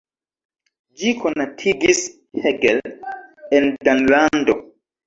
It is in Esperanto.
Ĝi konatigis Hegel en Danlando.